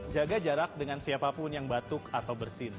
jaga jarak dengan siapapun yang batuk atau bersin